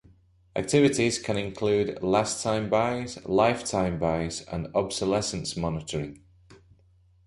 Activities can include last-time buys, life-time buys, and obsolescence monitoring.